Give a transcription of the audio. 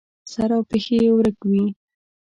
سر او پښې یې ورک وي.